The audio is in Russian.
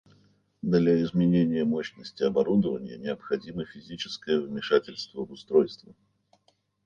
Для изменения мощности оборудования необходимо физическое вмешательство в устройство